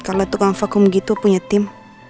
kalo tukang vacuum gitu punya tim